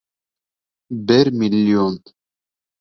Бер миллион!